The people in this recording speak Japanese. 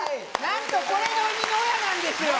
なんとこれの生みの親なんですよ。